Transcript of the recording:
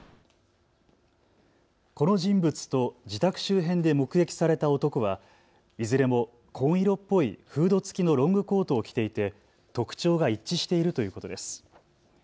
この人物と自宅周辺で目撃された男はいずれも紺色っぽいフード付きのロングコートを着ていて特徴が一致しているということです。